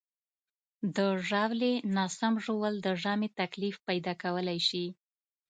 د ژاولې ناسم ژوول د ژامې تکلیف پیدا کولی شي.